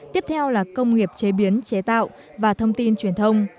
tiếp theo là công nghiệp chế biến chế tạo và thông tin truyền thông